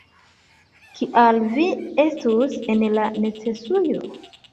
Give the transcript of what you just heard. Kial vi estus en la necesujo?